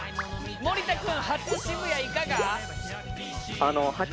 森田君初渋谷いかが？